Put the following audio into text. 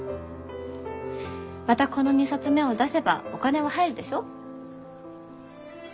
またこの２冊目を出せばお金は入るでしょ？